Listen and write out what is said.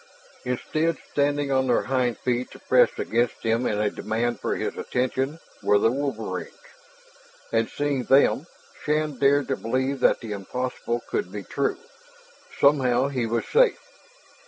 Instead, standing on their hind feet to press against him in a demand for his attention, were the wolverines. And seeing them, Shann dared to believe that the impossible could be true; somehow he was safe.